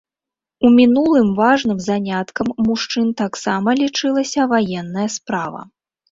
У мінулым важным заняткам мужчын таксама лічылася ваенная справа.